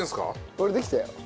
俺できたよ。